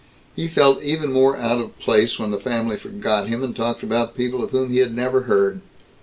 He felt even more out of place when the family forgot him and talked about people of whom he had never heard.